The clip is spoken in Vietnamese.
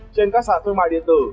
trên các sản thương mại điện tử